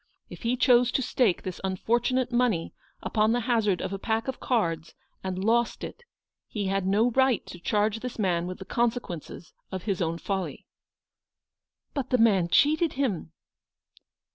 If he chose to stake this un fortunate money upon the hazard of a pack of cards, and lost it, he had no right to charge this man with the consequences of his own folly." "But the man cheated him